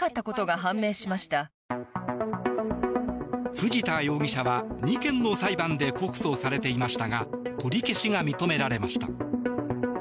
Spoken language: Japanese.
藤田容疑者は、２件の裁判で告訴されていましたが取り消しが認められました。